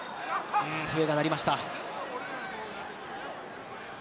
笛が鳴りました。